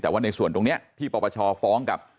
แต่ว่าในส่วนตรงนี้ที่ปปชฟ้องกับ